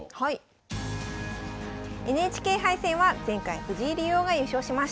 ＮＨＫ杯戦は前回藤井竜王が優勝しました。